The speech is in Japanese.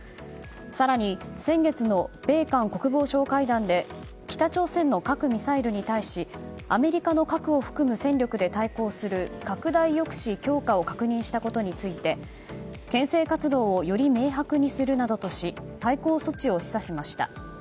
更に先月の米韓国防省会談で北朝鮮の核ミサイルに対しアメリカの核を含む戦力で対抗する拡大抑止強化を確認したことについて牽制活動をより明白にするなどとし対抗措置を示唆しました。